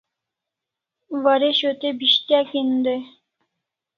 Waresho te pis'tyak en dai